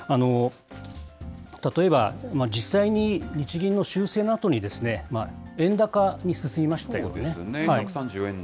例えば、実際に日銀の修正のあとに、円高に進みましたよね。